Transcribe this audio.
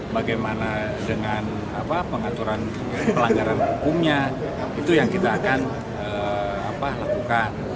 bagaimana dengan pengaturan pelanggaran hukumnya itu yang kita akan lakukan